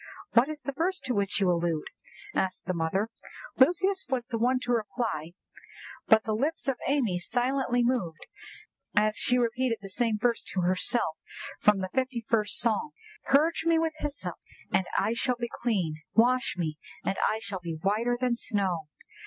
"What is the verse to which you allude?" asked the mother. Lucius was the one to reply, but the lips of Amy silently moved, as she repeated the same verse to herself from the fifty first Psalm—"'_Purge me with hyssop, and I shall be clean; wash me, and I shall be whiter than snow!